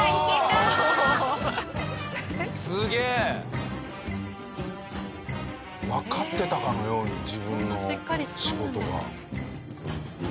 わかってたかのように自分の仕事が。